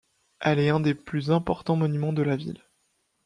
Elle est un des plus importants monuments de la ville.